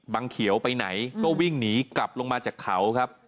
เขียวไปไหนก็วิ่งหนีกลับลงมาจากเขาครับ